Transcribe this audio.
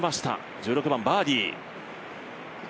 １６番バーディー。